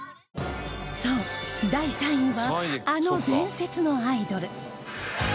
そう第３位はあの伝説のアイドル